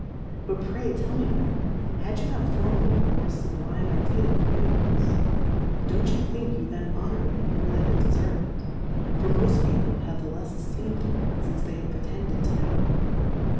But pray tell me, Madam, had you not formerly a more fublime II Difcourfes on the fublime Idea of the Univerfe ? Don't you think you then honoured it more than it defervM ? For moft People have the lefs Efteem for it fince they have pretended to know it.